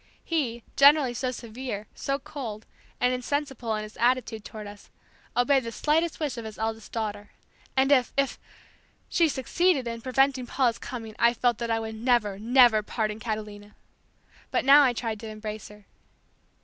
He, generally so severe, so cold, and insensible in his attitude toward us, obeyed the slightest wish of his eldest daughter. And if if! she succeeded in preventing Paula's coming I felt that I would never, never pardon Catalina! But now I tried to embrace her.